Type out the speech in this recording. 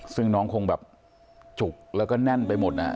ซึ่งน้องคงแบบจุกแล้วก็แน่นไปหมด